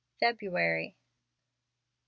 FEBRUARY. 1.